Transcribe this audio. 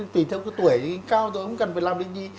tùy theo cái tuổi cao thôi không cần phải làm được gì